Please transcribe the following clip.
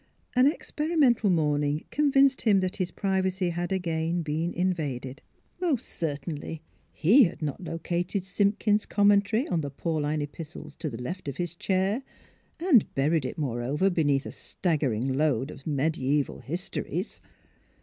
An experimental morning convinced him that his privacy had again been invaded. Most certainly he had not located Simpkins' Commentary on the Pauline Epistles to the left of his chair, and buried it moreover beneath a staggering load of mediaeval histories.